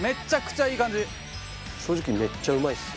正直めっちゃうまいっす。